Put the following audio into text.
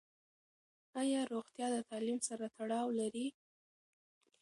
ایا روغتیا د تعلیم سره تړاو لري؟